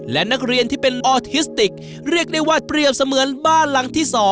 และนักเรียนที่เป็นออทิสติกเรียกได้ว่าเปรียบเสมือนบ้านหลังที่๒